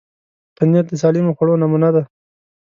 پنېر د سالمو خوړو نمونه ده.